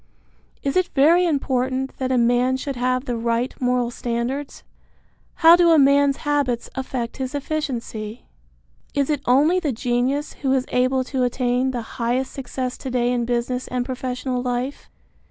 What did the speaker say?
Is it very important that a man should have the right moral standards? How do a man's habits affect his efficiency? Is it only the genius who is able to attain the highest success to day in business and professional life?